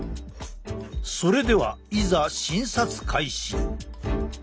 それではいざ診察開始。